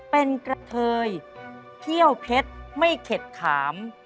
เป็นกระเทยเขี้ยวเพชรไม่เข็ดขาม